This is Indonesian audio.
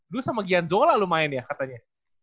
lu sama gian zola lu main ya katanya